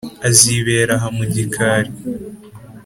Azibere aha mu gikari